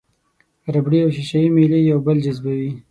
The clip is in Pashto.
ربړي او ښيښه یي میلې یو بل جذبوي.